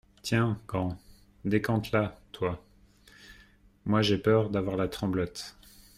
Tiens, grand, décante-la, toi. Moi j’ai peur d’avoir la tremblote.